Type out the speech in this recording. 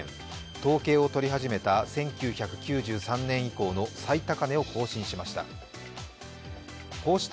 統計を取り始めた１９９３年以降の最高値を更新しました。